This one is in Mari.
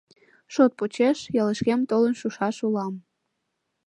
Шот почеш, ялышкем толын шушаш улам.